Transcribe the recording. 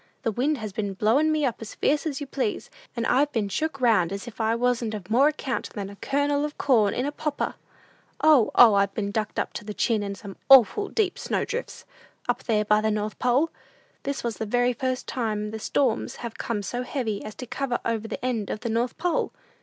The wind has been blowin' me up as fierce as you please, and I've been shook round as if I wasn't of more account than a kernel of corn in a popper! "O, O, I've been ducked up to the chin in some awful deep snow drifts, up there by the North Pole! This is the very first time the storms have come so heavy as to cover over the end of the North Pole!